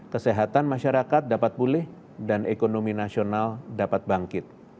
kesehatan masyarakat dapat pulih dan ekonomi nasional dapat bangkit